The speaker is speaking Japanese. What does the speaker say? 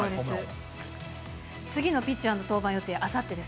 次のピッチャーの登板予定、あさってです。